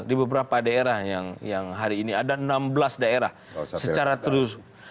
di beberapa daerah yang hari ini ada enam belas daerah secara terus